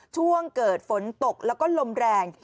ช่วงเกิดฝนตกแล้วก็ลมแรง